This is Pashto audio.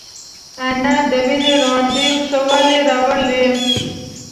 انار د وینې روانېدو ښه والی راولي.